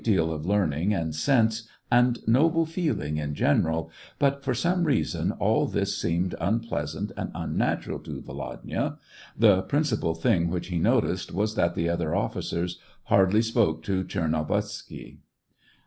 207 deal of learning, and sense, and noble feeling in general ; but, for some reason, all this seemed un pleasant and unnatural to Volodya. The principal thing which he noticed was that the other officers hardly spoke to Tchernovitzky.